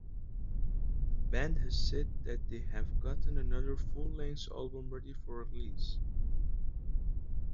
The band has said that they have gotten another full-length album ready for release.